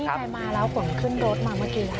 นี่ใครมาแล้วผมขึ้นรถมาเมื่อกี้ครับ